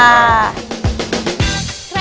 วันนี้ค่ะ